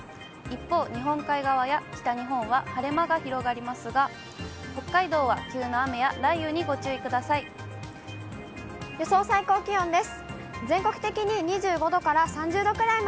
一方、日本海側や北日本は晴れ間が広がりますが、北海道は急な雨や雷雨にご注意ください。